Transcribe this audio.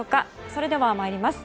それでは参ります。